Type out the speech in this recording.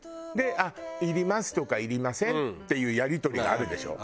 「いります」とか「いりません」っていうやり取りがあるでしょ？